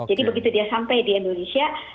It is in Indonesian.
jadi begitu dia sampai di indonesia